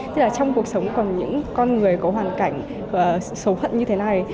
tức là trong cuộc sống còn những con người có hoàn cảnh xấu hận như thế này